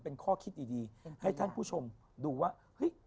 เป็นข้อคิดดีให้ท่านผู้ชมดูว่าเฮ้ย